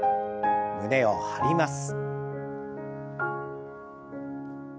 胸を張ります。